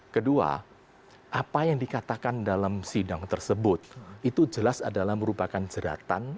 kedua apa yang dikatakan dalam sidang tersebut itu jelas adalah merupakan jeratan